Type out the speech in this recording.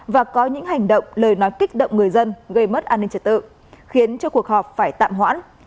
và có những hành động lời nói kích động người dân gây mất an ninh trật tự khiến cho cuộc họp phải tạm hoãn